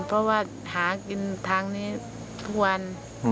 เพราะว่าหากินทางนี้ทุกวัน